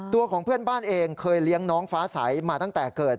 ตัวของเพื่อนบ้านเองเคยเลี้ยงน้องฟ้าใสมาตั้งแต่เกิด